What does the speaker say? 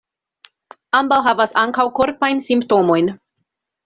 Ambaŭ havas ankaŭ korpajn simptomojn.